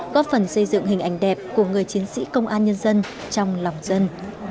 góp phần xây dựng hình ảnh đẹp của người chiến sĩ công an nhân dân trong lòng dân